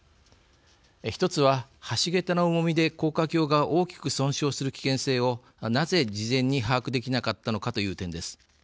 １つは橋桁の重みで高架橋が大きく損傷する危険性をなぜ事前に把握できなかったのかという点です。